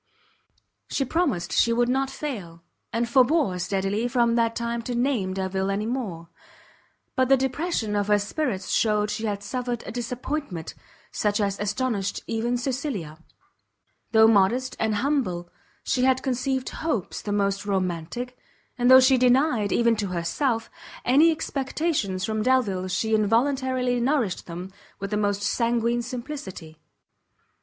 She promised she would not fail; and forbore steadily from that time to name Delvile any more: but the depression of her spirits shewed she had suffered a disappointment such as astonished even Cecilia. Though modest and humble, she had conceived hopes the most romantic, and though she denied, even to herself, any expectations from Delvile, she involuntarily nourished them with the most sanguine simplicity.